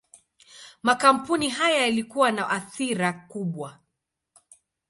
Makampuni haya yalikuwa na athira kubwa.